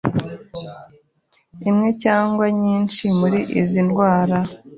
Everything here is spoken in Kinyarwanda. imwe cyangwa nyinshi muri izi ndwara